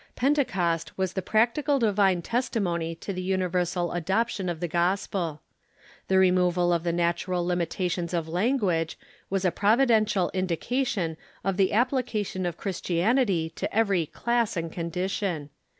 Pentecost was the practical divine testimony to the universal adoption of the gospel. The removal of the natural limitations of language was a providential indication of the application of Christianity to every class and condition.